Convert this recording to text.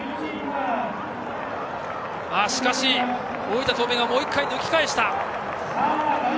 しかし、大分東明がもう１回、抜き返した！